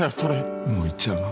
もう逝っちゃうの？